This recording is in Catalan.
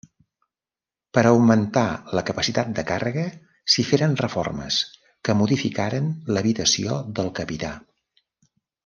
Per a augmentar la capacitat de càrrega s'hi feren reformes que modificaren l'habitació del capità.